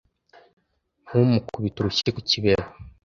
nkumukubita urushyi ku kibero